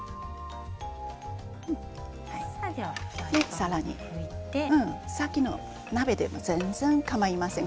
さらにさっきの鍋でも全然かまいません。